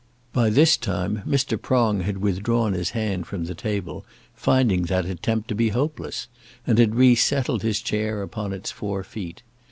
By this time Mr. Prong had withdrawn his hand from the table, finding that attempt to be hopeless, and had re settled his chair upon its four feet.